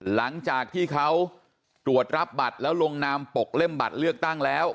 หลังจากที่เขาตรวจรับบัตรแล้วลงนามปกเล่มบัตรเลือกตั้งแล้ว